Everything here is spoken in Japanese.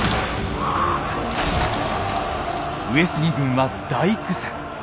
上杉軍は大苦戦。